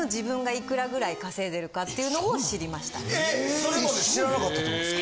それも知らなかったってことですか・